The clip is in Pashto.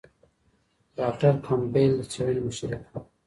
ډاکټر کمپبل د څېړنې مشري کړې.